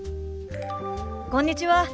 こんにちは。